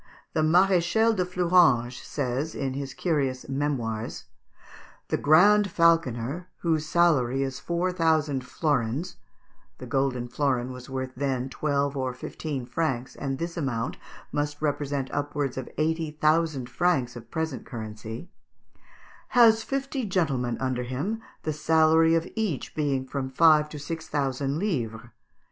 The Maréchal de Fleuranges says, in his curious "Memoirs" "The Grand Falconer, whose salary is four thousand florins" (the golden florin was worth then twelve or fifteen francs, and this amount must represent upwards of eighty thousand francs of present currency), "has fifty gentlemen under him, the salary of each being from five to six thousand livres.